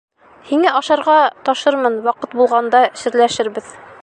Һиңә ашарға ташырмын, ваҡыт булғанда серләшербеҙ.